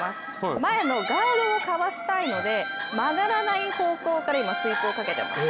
前のガードをかわしたいので曲がらない方向から今、スイープをかけています。